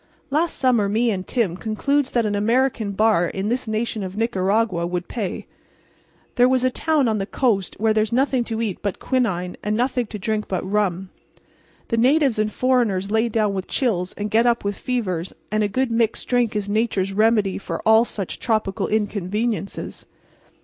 "Last summer me and Tim concludes that an American bar in this nation of Nicaragua would pay. There was a town on the coast where there's nothing to eat but quinine and nothing to drink but rum. The natives and foreigners lay down with chills and get up with fevers; and a good mixed drink is nature's remedy for all such tropical inconveniences.